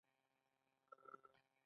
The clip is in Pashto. د لمحه رڼا هم د دوی په زړونو کې ځلېده.